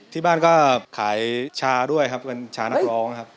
ที่บ้านก็ขายชาด้วยครับเป็นชานักร้องครับ